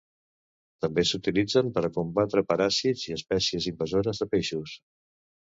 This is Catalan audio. També s'utilitzen per a combatre paràsits i espècies invasores de peixos.